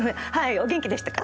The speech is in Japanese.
お元気でしたか？